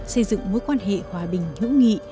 xây dựng mối quan hệ hòa bình hữu nghị